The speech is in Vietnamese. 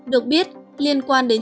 được biết liên quan đến